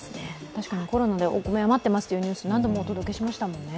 確かにコロナでお米が余っていますというニュースだいぶお届けしましたもんね。